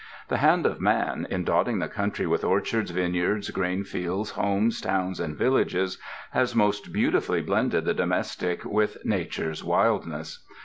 The hand of man, in dotting the country with orchards, vineyards, grain fields, homes, towns and villages, has most beautifully blended the domestic with natureŌĆÖs wildness.